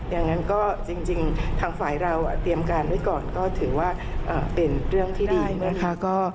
อย่างนั้นก็จริงทางฝ่ายเราเตรียมการไว้ก่อนก็ถือว่าเป็นเรื่องที่ดีนะคะ